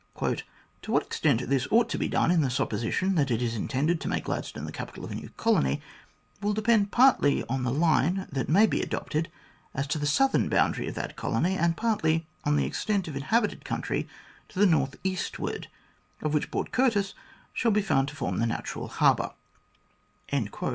" To what extent this ought to be done, in the supposition that it is intended to make Gladstone the capital of a new colony, will depend partly on the line that may be adopted as the southern boundary of that colony, and partly on the extent of inhabited country to the north eastward, of which Port Curtis shall be found to form the natural harbour."